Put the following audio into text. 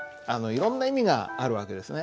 いろんな意味がある訳ですね。